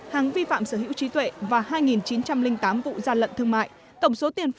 hàng vi phạm sở hữu trí tuệ và hai chín trăm linh tám vụ gia lận thương mại